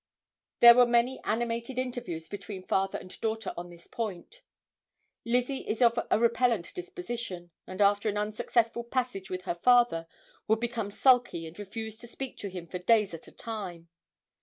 There were many animated interviews between father and daughter on this point. Lizzie is of a repellant disposition, and, after an unsuccessful passage with her father, would become sulky and refuse to speak to him for days at a time.